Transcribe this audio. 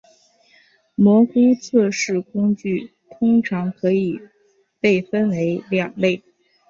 模糊测试工具通常可以被分为两类。